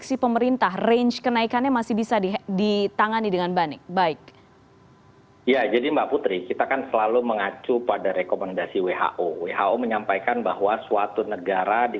selamat sore mbak putri